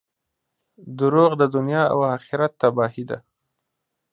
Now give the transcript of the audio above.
• دروغ د دنیا او آخرت تباهي ده.